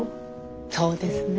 そうですね。